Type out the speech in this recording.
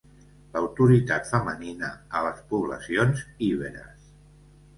L'autoritat femenina a les poblacions iberes.